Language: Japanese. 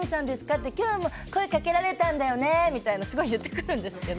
ってきょうも声掛けられたんだよねみたいなすごい言ってくるんですけど。